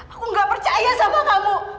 aku gak percaya sama kamu